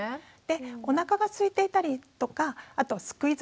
でおなかがすいていたりとかあとすくい